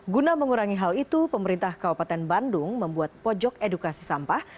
guna mengurangi hal itu pemerintah kabupaten bandung membuat pojok edukasi sampah